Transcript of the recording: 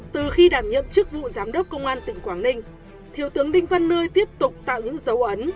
từ khi đảm nhiệm chức vụ giám đốc công an tỉnh quảng ninh thiếu tướng đinh văn nơi tiếp tục tạo những dấu ấn